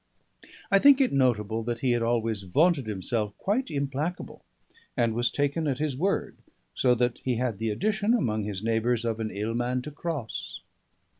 I think it notable that he had always vaunted himself quite implacable, and was taken at his word; so that he had the addition, among his neighbours of "an ill man to cross."